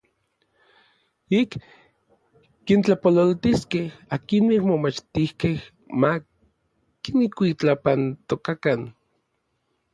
Ik kintlapololtiskej akinmej momachtijkej ma kinkuitlapantokakan.